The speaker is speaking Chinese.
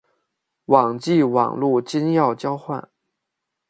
网际网路金钥交换。